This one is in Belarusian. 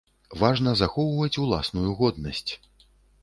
Важна захоўваць уласную годнасць.